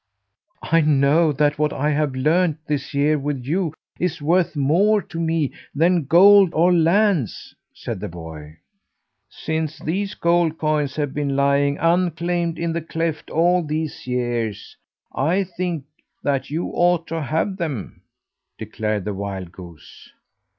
"I know that what I have learned this year with you is worth more to me than gold or lands," said the boy. "Since these gold coins have been lying unclaimed in the cleft all these years, I think that you ought to have them," declared the wild goose.